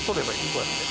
こうやって。